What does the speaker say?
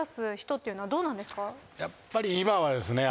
やっぱり今はですね